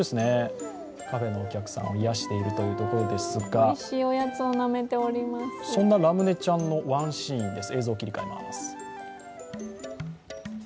カフェのお客さんを癒しているということですが、そんな、らむねちゃんのワンシーンです。